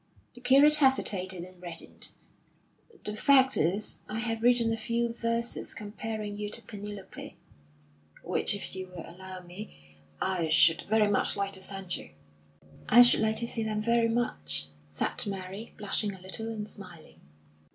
The curate hesitated and reddened. "The fact is, I have written a few verses comparing you to Penelope, which, if you will allow me, I should very much like to send you." "I should like to see them very much," said Mary, blushing a little and smiling.